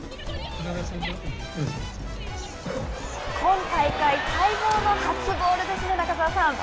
今大会、待望の初ゴールですね中澤さん。